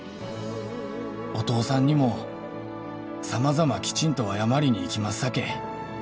「お義父さんにも様々きちんと謝りに行きますさけ」